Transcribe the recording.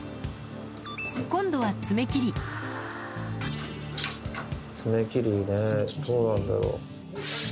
今度は爪切りねどうなんだろう。